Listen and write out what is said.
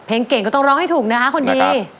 เพลงเก่งก็ต้องร้องให้ถูกนะคนนี้